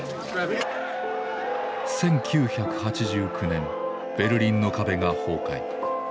１９８９年ベルリンの壁が崩壊。